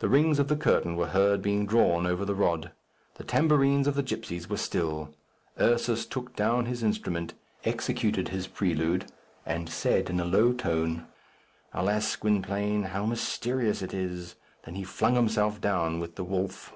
The rings of the curtain were heard being drawn over the rod. The tambourines of the gipsies were still. Ursus took down his instrument, executed his prelude, and said in a low tone: "Alas, Gwynplaine, how mysterious it is!" then he flung himself down with the wolf.